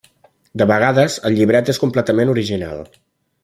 De vegades, el llibret és completament original.